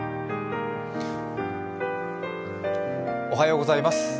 おはようございます。